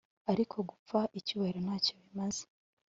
Ariko gupfa icyubahiro ntacyo bimaze